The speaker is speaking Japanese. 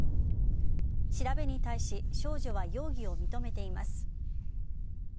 調べに対し少女は容疑を認めています。